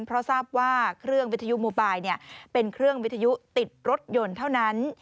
เพราะทราบว่าเครื่องวิทยุโมบายเป็นเครื่องวิทยุติดรถยนต์เท่านั้น